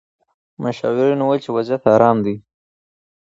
مشاورینو وویل چې وضعیت ارام دی.